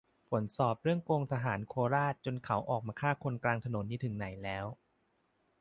"ผลสอบเรื่องโกงทหารโคราชจนเขาออกมาฆ่าคนกลางถนนนี่ถึงไหนแล้ว"